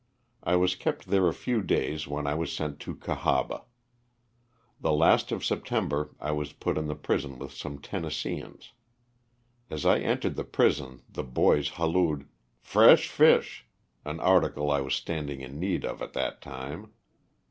I was kept there a few days when I was sent to Cahaba. The last of September I was put in the prison with some Tennesseans. As I entered the prison the boys halloed, " Fresh fish," an article I was standing in need of at that time.